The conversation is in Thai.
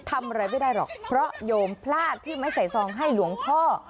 ทำอะไรไม่ได้หรอกเพราะโยมพลาดที่ไม่ใส่ซองให้หลวงพ่อ